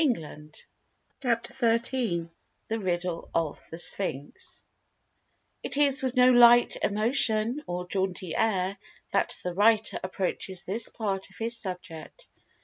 [Pg 182] CHAPTER XIII THE RIDDLE OF THE SPHINX IT is with no light emotion, or jaunty air, that the writer approaches this part of his subject.